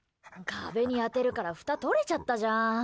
壁に当てるからふた取れちゃったじゃん。